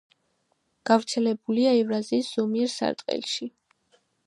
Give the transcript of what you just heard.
გავრცელებულია ევრაზიის ზომიერ სარტყელში.